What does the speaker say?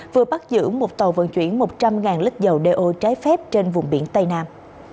vừa bắt giữ một tàu vận chuyển một trăm linh lít dầu đeo trái phép trên vùng biển tây nam